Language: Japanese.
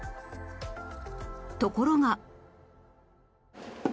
ところが